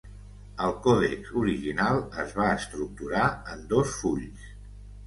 El còdex original es va estructurar en dos fulls.